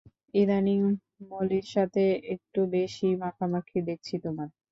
ইদানীং মলির সাথে একটু বেশিই মাখামাখি দেখছি তোমার।